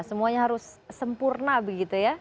semuanya harus sempurna begitu ya